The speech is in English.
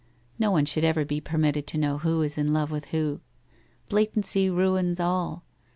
No one should ever be per mitted to know who is in love with who. Blatancy ruins all.